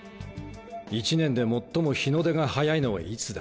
一年で最も日の出が早いのはいつだ？